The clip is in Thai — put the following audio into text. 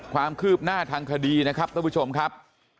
ความคืบหน้าทางคดีนะครับท่านผู้ชมครับ